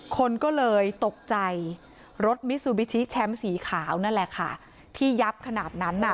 คนก็เลยตกใจรถมิซูบิชิแชมป์สีขาวนั่นแหละค่ะที่ยับขนาดนั้นน่ะ